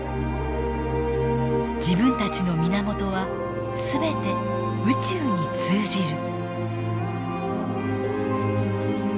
自分たちの源は全て宇宙に通じる。